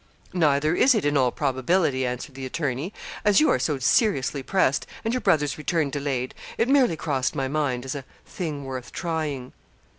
'Neither is it, in all probability,' answered the attorney. 'As you are so seriously pressed, and your brother's return delayed, it merely crossed my mind as a thing worth trying.'